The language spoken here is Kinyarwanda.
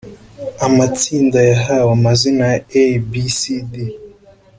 Amatsinda yahawe amazina ya A, B, C, D.